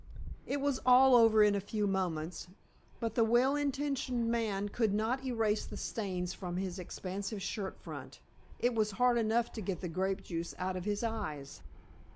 It was all over in a few moments, but the well intentioned man could not erase the stains from his expansive shirt front it was hard enough to get the grape juice out of his eyes.